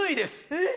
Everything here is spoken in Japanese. えっ？